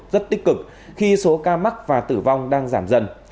rất tích cực khi số ca mắc và tử vong đang giảm dần